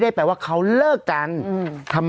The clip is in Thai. คุณแม่ของคุณแม่ของคุณแม่